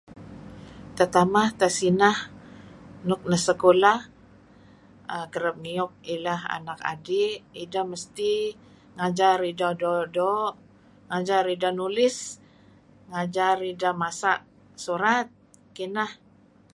Tata'mah ta'sinah luk nah sekulah[aah] kareb ngi'yuk i'lah anak adih, idah masti gajar idah do do ngajar idah nulis, ngajar idah masah surat, kiniah.